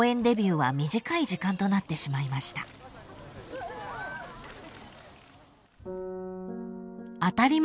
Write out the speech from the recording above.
デビューは短い時間となってしまいました］